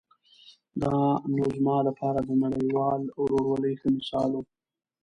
دا نو زما لپاره د نړیوال ورورولۍ ښه مثال و.